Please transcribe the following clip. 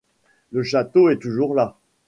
Le château est toujours là.